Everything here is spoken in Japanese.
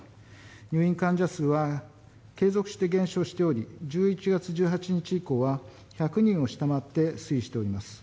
入院患者数は減少しており、１１月１８日以降は、１００人を下回って推移しております。